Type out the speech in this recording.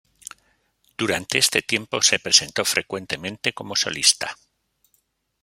Durante este tiempo se presentó frecuentemente como solista.